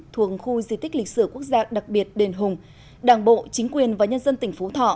thuồng khu di tích lịch sử quốc gia đặc biệt đền hùng đảng bộ chính quyền và nhân dân tỉnh phú thọ